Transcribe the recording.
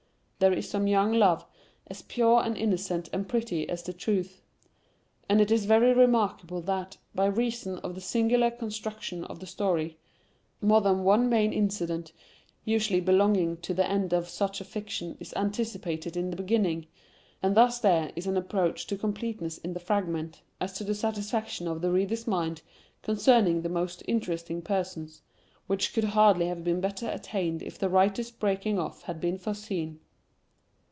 There is some young love as pure and innocent and pretty as the truth. And it is very remarkable that, by reason of the singular construction of the story, more than one main incident usually belonging to the end of such a fiction is anticipated in the beginning, and thus there is an approach to completeness in the fragment, as to the satisfaction of the reader's mind concerning the most interesting persons, which could hardly have been better attained if the writer's breaking off had been foreseen.